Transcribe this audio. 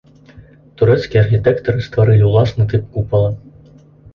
Турэцкія архітэктары стварылі ўласны тып купала.